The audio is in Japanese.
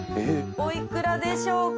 おいくらでしょうか？